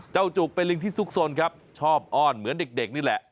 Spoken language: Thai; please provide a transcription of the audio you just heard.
จุกเป็นลิงที่ซุกสนครับชอบอ้อนเหมือนเด็กนี่แหละ